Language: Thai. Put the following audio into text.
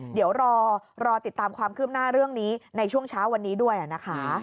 เดี๋ยวรอติดตามความคืบหน้าเรื่องนี้ในช่วงเช้าวันนี้ด้วยนะคะ